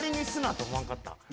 と思わんかった？